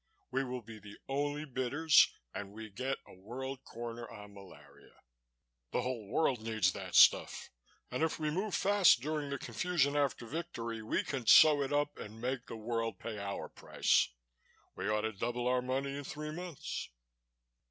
We will be the only bidders and we get a world corner on malaria. The whole world needs that stuff and if we move fast, during the confusion after victory, we can sew it up and make the world pay our price. We ought to double our money in three months."